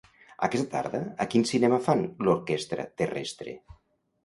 Aquesta tarda a quin cinema fan "L'orquestra terrestre"?